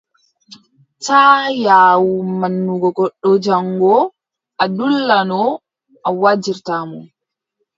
Taa yaawu manugo goɗɗo jaŋgo a dulla no a wajirta mo.